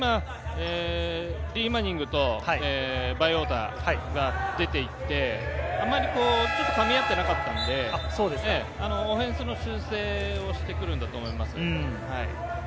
マニングとバイウォーターが出て行って、あまり噛み合っていなかったので、オフェンスの修正をしてくるんだと思います。